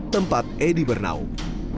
tempat edi bernaung